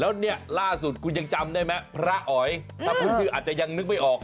แล้วเนี่ยล่าสุดคุณยังจำได้ไหมพระอ๋อยถ้าพูดชื่ออาจจะยังนึกไม่ออก